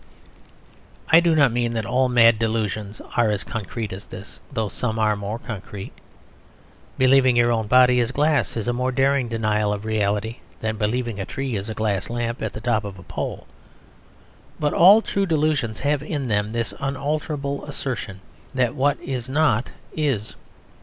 I do not mean that all mad delusions are as concrete as this, though some are more concrete. Believing your own body is glass is a more daring denial of reality than believing a tree is a glass lamp at the top of a pole. But all true delusions have in them this unalterable assertion that what is not is.